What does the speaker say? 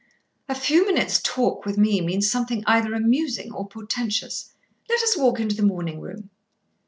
"A few minutes' talk with me means something either amusing or portentous. Let us walk into the morning room."